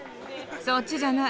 そっちじゃない。